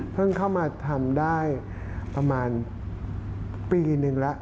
เพิ่งเข้ามาทำได้ประมาณปีหนึ่งละ